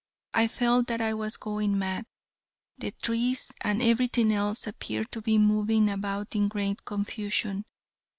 I felt that I was going mad. The trees and everything else appeared to be moving about in great confusion.